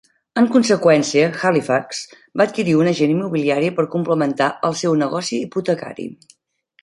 En conseqüència, Halifax va adquirir un agent immobiliari per complementar el seu negoci hipotecari.